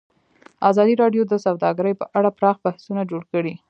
ازادي راډیو د سوداګري په اړه پراخ بحثونه جوړ کړي.